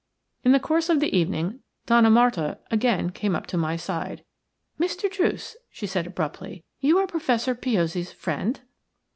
In the course of the evening Donna Marta again came up to my side. "Mr. Druce," she said, abruptly, "you are Professor Piozzi's friend?"